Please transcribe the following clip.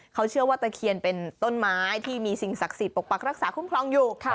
เขาเชื่อว่าตะเคียนเป็นต้นไม้ที่มีสิ่งศักดิ์สิทธิ์ปกปักรักษาคุ้มครองอยู่